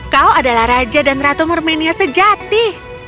kau adalah raja dan ratu mermenia sejati